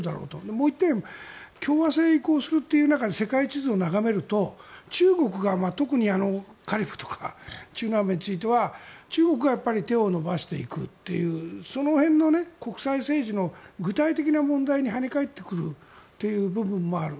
もう１点共和制へ移行するという中で世界地図を眺めると中国が特にカリブとか中南米については中国が手を伸ばしていくというその辺の国際政治の具体的な問題に跳ね返ってくるという部分もある。